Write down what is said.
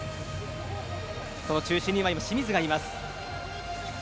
その中心には今、清水がいます。